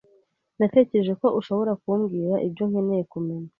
Natekereje ko ushobora kumbwira ibyo nkeneye kumenya.